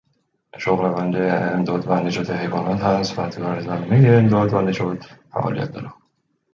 Among her pupils was Liza Lehmann.